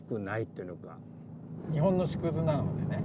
日本の縮図なのでね。